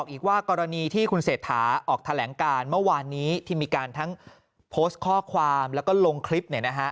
อีกว่ากรณีที่คุณเศรษฐาออกแถลงการเมื่อวานนี้ที่มีการทั้งโพสต์ข้อความแล้วก็ลงคลิป